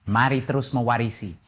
mari terus mewarisi